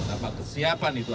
apa kesiapan itu ada